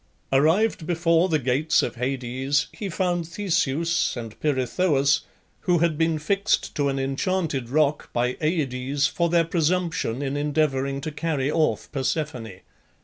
Arrived before the gates of Hades he found Theseus and Pirithoeus, who had been fixed to an enchanted rock by Aides for their presumption in endeavouring to carry off Persephone.